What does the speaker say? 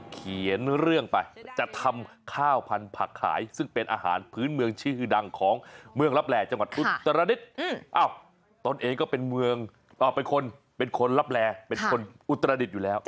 การเหลือเย็นเรื่องไปจะทำข้าวพันธุ์ผักขายซึ่งเป็นอาหารพื้นเมืองชื่อดังของเมืองรับแรจังหวัดอุตรดิชย์